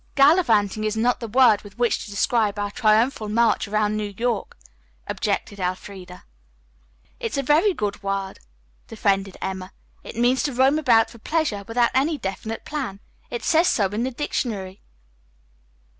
"'Gallivanting' is not the word with which to describe our triumphal march around New York," objected Elfreda. "It's a very good word," defended Emma. "It means to roam about for pleasure without any definite plan. It says so in the dictionary."